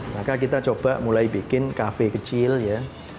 maka kita coba mulai bikin kafe kecil ya